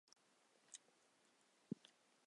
鲁迅曾批评这种做法。